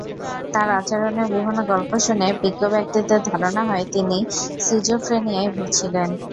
তাঁর আচরণের বিভিন্ন গল্প শুনে বিজ্ঞ ব্যক্তিদের ধারণা হয়, তিনি সিজোফ্রেনিয়ায় ভুগছিলেন।